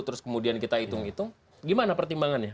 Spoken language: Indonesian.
terus kemudian kita hitung hitung gimana pertimbangannya